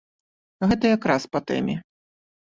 Гэта якраз па тэме.